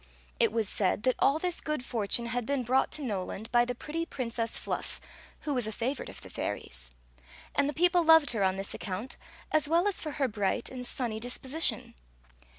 It was said that all this good fortune had been brought to Noland by the pretty Priflcess Fluff, who was a favorite of the fairies; and the people loved her on this account as well as for her bright and sunny disposition.